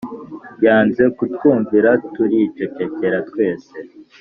Yanze kutwumvira turicecekera twese